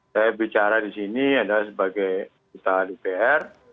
saya bicara di sini adalah sebagai ketua dpr